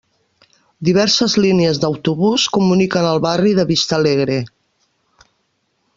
Diverses línies d'Autobús comuniquen el barri de Vista Alegre.